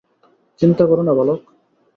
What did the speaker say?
চিন্তা করো না, বালক।